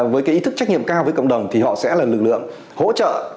với cái ý thức trách nhiệm cao với cộng đồng thì họ sẽ là lực lượng hỗ trợ